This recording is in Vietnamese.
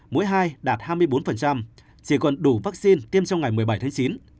mũi hai đạt hai mươi bốn chỉ còn đủ vaccine tiêm trong ngày một mươi bảy tháng chín